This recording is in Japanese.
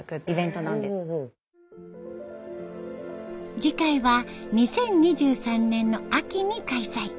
次回は２０２３年の秋に開催。